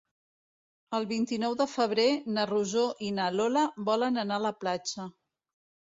El vint-i-nou de febrer na Rosó i na Lola volen anar a la platja.